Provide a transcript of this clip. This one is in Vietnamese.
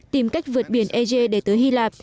tìm cách vượt biển ege để tới hy lạp